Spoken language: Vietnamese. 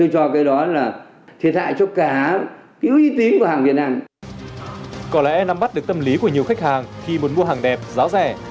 có lẽ nắm bắt được tâm lý của nhiều khách hàng khi muốn mua hàng đẹp giá rẻ